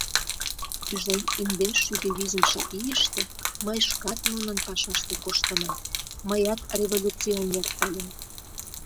Тӱжем индеш шӱдӧ визымше ийыште мый шкат нунын пашаште коштынам, мыят революционер ыльым.